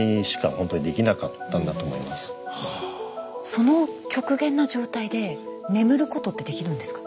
その極限な状態で眠ることってできるんですか？